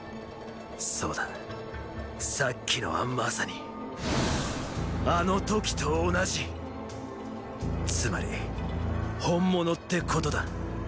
そうださっきのは正にあの時と同じーーつまり“本物”ってことだ。